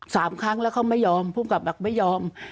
สามครั้งแล้วเขาไม่ยอมภูมิกับบอกไม่ยอม